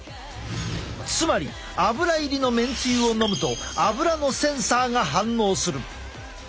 つまりアブラ入りのめんつゆを飲むとアブラのセンサーが反応する。